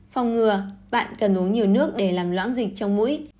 phòng ngừa bạn cần uống nhiều nước để làm loãng dịch trong mũi